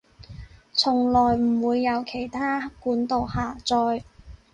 從來唔會由其它管道下載